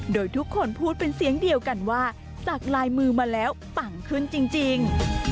โดยทุกคนพูดเป็นเสียงเดียวกันว่าจากลายมือมาแล้วปังขึ้นจริง